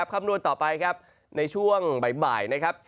คำนวณต่อไปครับในช่วงใบ